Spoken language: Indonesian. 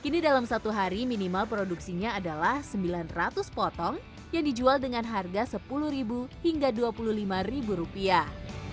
kini dalam satu hari minimal produksinya adalah sembilan ratus potong yang dijual dengan harga sepuluh hingga dua puluh lima rupiah